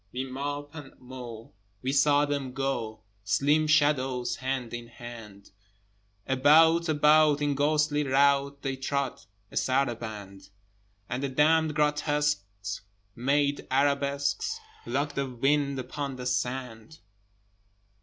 With mop and mow, we saw them go, Slim shadows hand in hand: About, about, in ghostly rout They trod a saraband: And the damned grotesques made arabesques, Like the wind upon the sand!